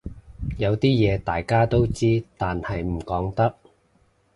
有啲嘢大家都知但係唔講得